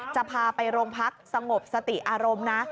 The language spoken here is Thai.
จะพาไปโรงพักสงบสติอารมณ์นะ